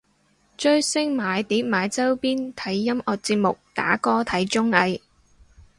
追星買碟買周邊睇音樂節目打歌睇綜藝